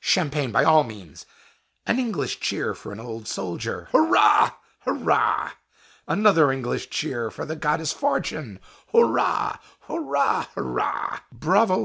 Champagne by all means! An English cheer for an old soldier! Hurrah! hurrah! Another English cheer for the goddess Fortune! Hurrah! hurrah! hurrah! "Bravo!